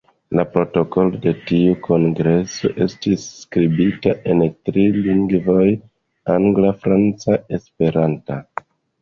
La protokolo de tiu kongreso estis skribita en tri lingvoj: angla, franca, esperanta.